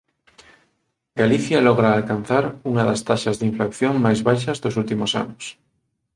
Galicia logra alcanzar unha das taxas de inflación máis baixas dos últimos anos.